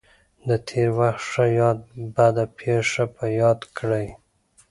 د تېر وخت ښه یا بده پېښه په یاد کړئ.